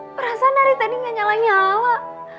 perasaan hari tadi gak nyala nyala